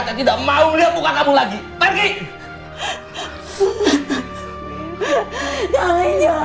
tidak mau lihat buka kamu lagi pergi bisa menjalani jodag